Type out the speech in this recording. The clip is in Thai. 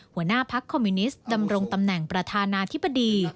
หัวหน้าพักคอมมิวนิสต์ดำรงตำแหน่งประธานาธิบดี